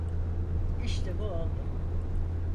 İşte bu oldu.